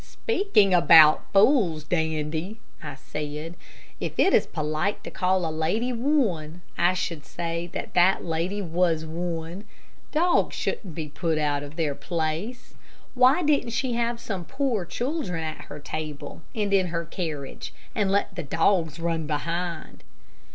"Speaking about fools, Dandy," I said, "if it is polite to call a lady one, I should say that that lady was one. Dogs shouldn't be put out of their place. Why didn't she have some poor children at her table, and in her carriage, and let the dogs run behind?"